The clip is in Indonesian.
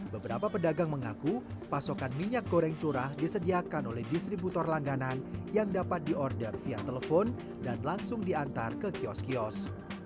beberapa pedagang mengaku pasokan minyak goreng curah disediakan oleh distributor langganan yang dapat di order via telepon dan langsung diantar ke kios kios